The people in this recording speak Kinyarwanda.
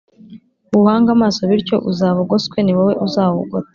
uwuhange amaso bityo uzaba ugoswe ni wowe uzawugota